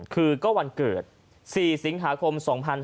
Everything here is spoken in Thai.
คือก็วันเกิด๔สิงหาคม๒๕๕๙